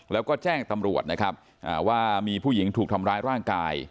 แล้วก็แจ้งตำรวจนะครับว่ามีผู้หญิงถูกทำร้ายร่างกาย